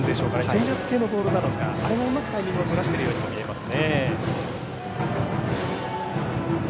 チェンジアップ系のボールなのかうまくタイミングをずらしているように見えます。